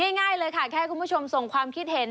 ง่ายเลยค่ะแค่คุณผู้ชมส่งความคิดเห็น